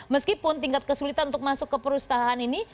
meskipun tingkat kesulitan untuk masuk ke perusahaan ini